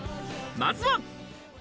まずは。